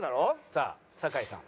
さあ酒井さん。